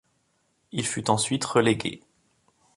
Il fut ensuite relégué.